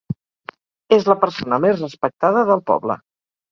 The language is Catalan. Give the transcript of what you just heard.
És la persona més respectada del poble.